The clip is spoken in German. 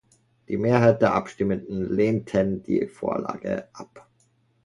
Die Mehrheit der Abstimmenden lehnten die Vorlage ab.